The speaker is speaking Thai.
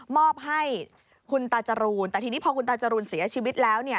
มอบให้คุณตาจรูนแต่ทีนี้พอคุณตาจรูนเสียชีวิตแล้ว